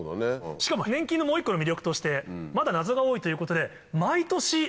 しかも粘菌のもう１個の魅力としてまだ謎が多いということで。